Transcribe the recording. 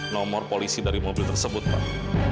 nomor polisi dari mobil tersebut pak